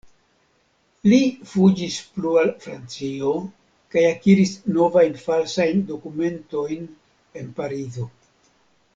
Li fuĝis plu al Francio kaj akiris novajn falsajn dokumentojn en Parizo.